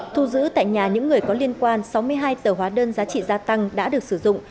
thu giữ tại nhà những người có liên quan sáu mươi hai tờ hóa đơn giá trị gia tăng đã được sử dụng